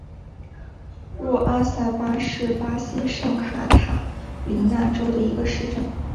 若阿萨巴是巴西圣卡塔琳娜州的一个市镇。